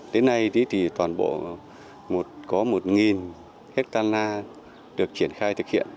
đến nay toàn bộ có một hectare được triển khai thực hiện